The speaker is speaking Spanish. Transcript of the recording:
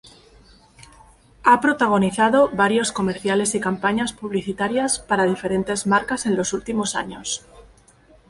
Ha protagonizado varios comerciales y campañas publicitarias para diferentes marcas en los últimos años.